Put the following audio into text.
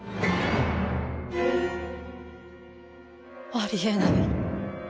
あり得ない。